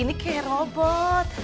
ini kayak robot